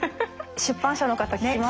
出版社の方聞きました？